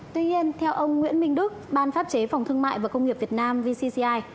tuy nhiên theo ông nguyễn minh đức ban pháp chế phòng thương mại và công nghiệp việt nam vcci